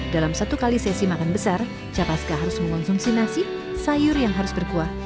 dalam satu kali sesi makan besar capaska harus mengonsumsi nasi sayur yang harus berkuah